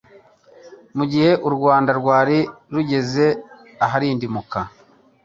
Mu gihe u Rwanda rwari rugeze aharindimuka